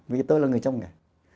vì tôi là người trong ngày